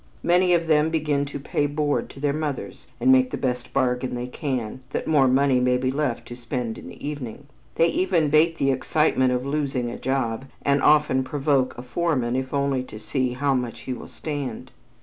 Many of them begin to pay board to their mothers, and make the best bargain they can, that more money may be left to spend in the evening. They even bait the excitement of "losing a job," and often provoke a foreman if only to see "how much he will stand."